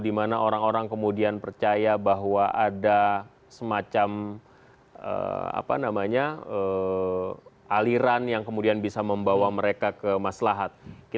di mana orang orang kemudian percaya bahwa ada semacam aliran yang kemudian bisa membawa mereka ke maslahat